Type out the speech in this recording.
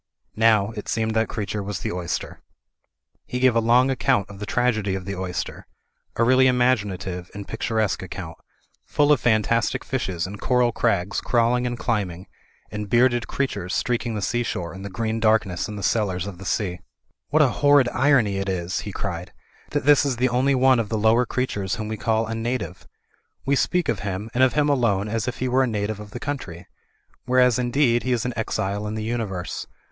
Now, it seemed that creature was the oyster. He gave a long account of the tragedy of the oyster, a really imaginative and picturesque account ; full of fantastic fishes, and coral crags crawling and climbing, and bearded creatures Digitized by VjOOQ IC CREATURE THAT MAN FORGETS 169 streaking the seashore and the green darkness in the ' cellars of the sea. *What a horrid irony it is/' he cried, "that this is the only one of the lower creatures whom we call a Native ! We speak of him, and of him alone as if he were a native of the country. Whereas, indeed, he is an exile in the universe.